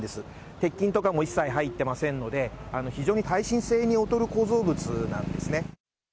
鉄筋とかも一切入っていませんので、非常に耐震性に劣る構造物なんですね。